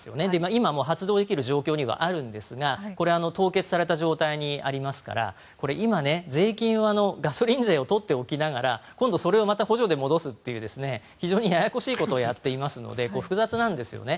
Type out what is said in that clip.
今もう発動できる状況にはあるんですが凍結された状態にありますから今、税金をガソリン税を取っておきながら今度、それをまた補助で戻すっていう非常にややこしいことをやっていますので複雑なんですよね。